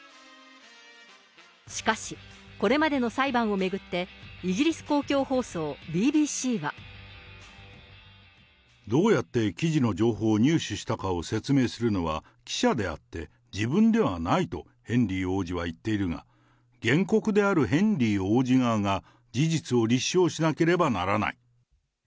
しかし、これまでの裁判を巡って、イギリス公共放送ＢＢＣは。どうやって記事の情報を入手したかを説明するのは記者であって、自分ではないとヘンリー王子は言っているが、原告であるヘンリー王子側が事実を立証しなければならない。